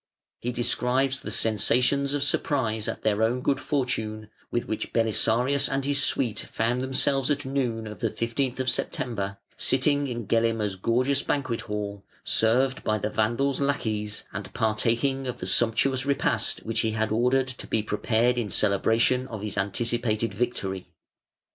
He describes the sensations of surprise at their own good fortune, with which Belisarius and his suite found themselves at noon of the 15 th September, sitting in Gelimer's gorgeous banquet hall, served by the Vandal's lackeys and partaking of the sumptuous repast which he had ordered to be prepared in celebration of his anticipated victory.